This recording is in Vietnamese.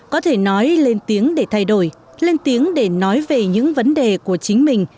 có thể nói lên tiếng để thay đổi lên tiếng để nói về những vấn đề của chính mình